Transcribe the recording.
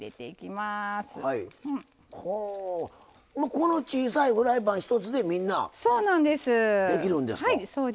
この小さいフライパン一つでみんなできるんですか。